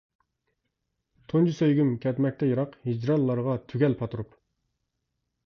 تۇنجى سۆيگۈم كەتمەكتە يىراق، ھىجرانلارغا تۈگەل پاتۇرۇپ.